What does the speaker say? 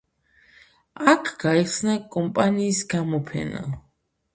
აქ გაიხსნა კომპანიის გამოფენა.